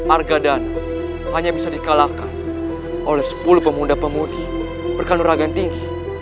argandana hanya bisa dikalahkan oleh sepuluh pemuda pemudi berkanur ragan tinggi